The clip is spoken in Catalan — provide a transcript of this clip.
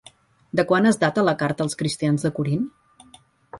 De quan es data la Carta als cristians de Corint?